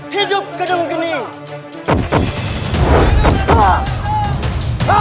hidup raja narawangsa